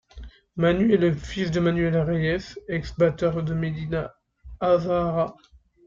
Manu est le fils de Manuel Reyes, ex-batteur de Medina Azahara.